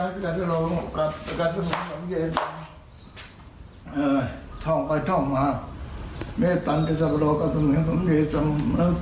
ปีนี้อายุเท่าไหร่แล้วโรงพ่อเลยครับ